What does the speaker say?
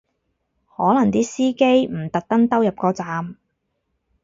可能啲司機唔特登兜入個站